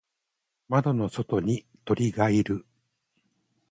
窓の外に鳥がいる。